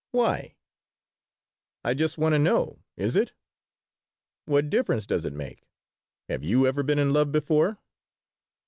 "Why?" "I just want to know. Is it?" "What difference does it make? Have you ever been in love before?"